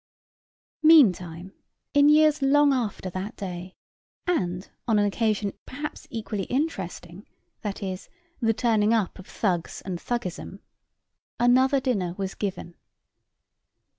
Meantime, in years long after that day, and on an occasion perhaps equally interesting, viz., the turning up of Thugs and Thuggism, another dinner was given.